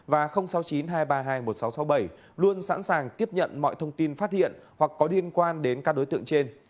và sáu mươi chín hai trăm ba mươi hai một nghìn sáu trăm sáu mươi bảy luôn sẵn sàng tiếp nhận mọi thông tin phát hiện hoặc có liên quan đến các đối tượng trên